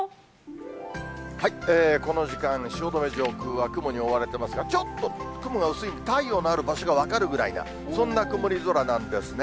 この時間、汐留上空は雲に覆われていますが、ちょっと雲が薄い、太陽のある場所が分かるぐらいな、そんな曇り空なんですね。